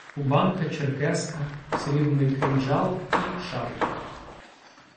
Кубанка, черкеска, срібний кинджал і шабля.